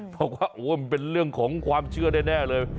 เพราะว่ามันเป็นเรื่องของความเชื่อแน่เลย